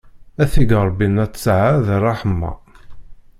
Ad t-ig Ṛebbi n at ṭṭaɛa d ṛṛeḥma!